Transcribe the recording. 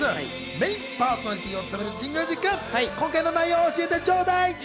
メインパーソナリティーを務める神宮寺君、今回の内容を教えてちょうだい。